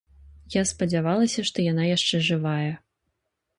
Я спадзявалася, што яна яшчэ жывая.